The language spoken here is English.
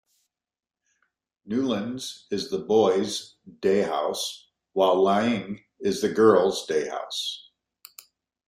Newlands is the boys' day house, while Laing is the girls' day house.